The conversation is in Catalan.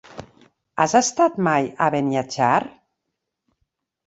Has estat mai a Beniatjar?